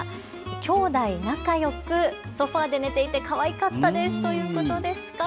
兄弟仲よくソファーで寝ていてかわいかったですということです。